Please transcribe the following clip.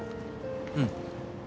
うん。